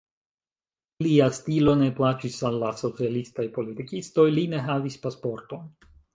Lia stilo ne plaĉis al la socialistaj politikistoj, li ne havis pasporton.